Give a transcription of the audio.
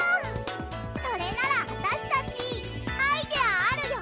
それならあたしたちアイデアあるよ！